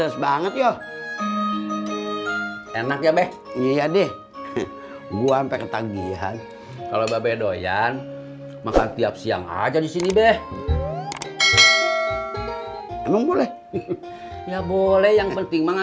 sampai jumpa di video selanjutnya